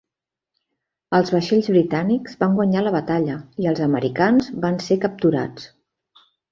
Els vaixells britànics van guanyar la batalla i els americans van ser capturats.